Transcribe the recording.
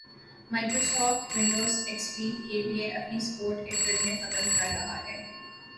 Microsoft, Windows XP پی کے لئے اپنی سپورٹ اپریل میں ختم کررہا ہے